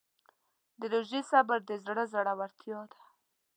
د روژې صبر د زړه زړورتیا ده.